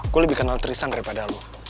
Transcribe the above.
gue lebih kenal tristan daripada lu